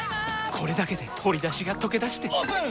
これだけで鶏だしがとけだしてオープン！